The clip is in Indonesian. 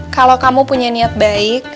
kalau kamu punya niat baik